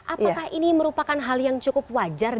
apakah ini merupakan hal yang cukup wajar